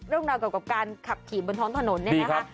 เรื่องราวเกี่ยวกับการขับขี่บนท้องถนนเนี่ยนะคะ